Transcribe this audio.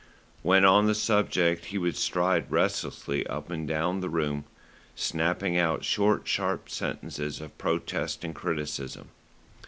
When on the subject he would stride restlessly up and down the room, snapping out short, sharp sentences of protest and criticism.